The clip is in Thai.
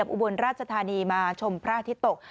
อุบลราชธานีมาชมพระอาทิตย์ตก